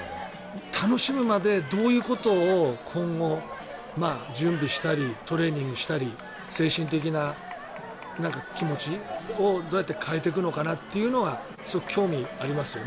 楽しむまで、どういうことを今後、準備したりトレーニングしたり精神的な気持ちをどうやって変えていくのかは興味がありますよね。